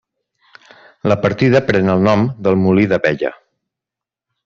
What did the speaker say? La partida pren el nom del Molí d'Abella.